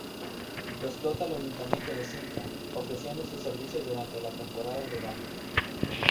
Lo explota el ayuntamiento de Sintra, ofreciendo su servicio durante la temporada de baño.